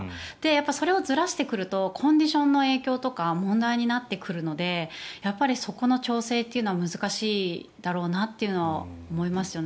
それをずらしてくるとコンディションの影響とか問題になってくるのでそこの調整というのは難しいだろうなとは思いますよね。